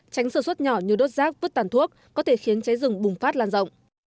tránh sửa suất nhỏ như đốt rác vứt tàn thuốc có thể khiến cháy rừng bùng phát lan rộng